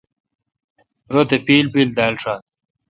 رت اے° پیل پیل دال۔ شات۔